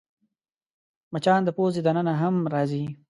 مچان د پوزې دننه هم راځي